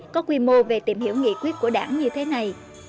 có quy mô về tìm hiểu nghị quyết của đảng như thế này